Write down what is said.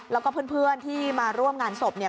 แล้วก็เพื่อนที่มาร่วมงานศพเนี่ย